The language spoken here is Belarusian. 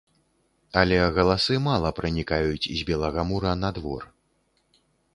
Але галасы мала пранікаюць з белага мура на двор.